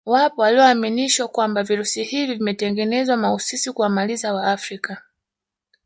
Wapo walioaminishwa kwamba virusi hivi vimetengenezwa mahususi kuwamaliza wafrika